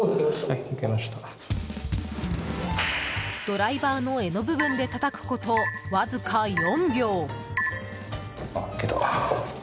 ドライバーの柄の部分でたたくこと、わずか４秒。